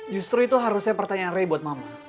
justru itu harusnya pertanyaan rey buat mama